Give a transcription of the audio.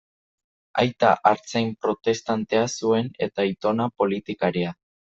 Aita artzain protestantea zuen eta aitona politikaria.